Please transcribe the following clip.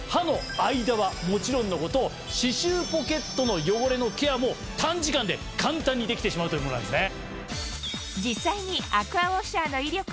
歯周ポケットの汚れのケアも短時間で簡単にできてしまうというものなんですね。